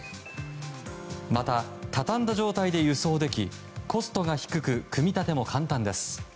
また畳んだ状態で輸送できコストが低く組み立ても簡単です。